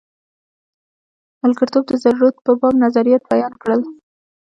ملګرتوب د ضرورت په باب نظریات بیان کړل.